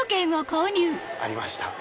ありました。